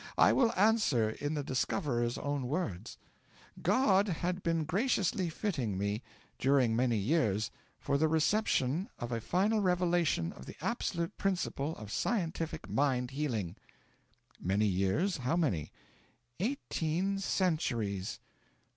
I will answer in the Discoverer's own words: "God had been graciously fitting me, during many years, for the reception of a final revelation of the absolute Principle of Scientific Mind healing."' 'Many years? How many?' 'Eighteen centuries!'